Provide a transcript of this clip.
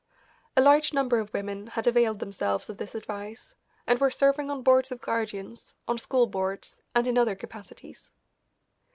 A large number of women had availed themselves of this advice, and were serving on Boards of Guardians, on school boards, and in other capacities.